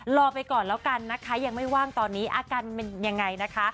รอไปก่อนแล้วกันนะคะยังไม่ว่างตอนนี้อาการเป็นยังไงนะคะ